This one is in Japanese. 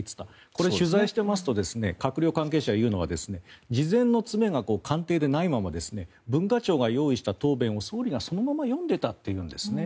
これ、取材してますと閣僚関係者が言うのは事前の詰めが官邸でないまま文化庁が用意した答弁を総理がそのまま読んでいたというんですね。